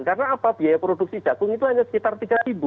karena apa biaya produksi jagung itu hanya sekitar rp tiga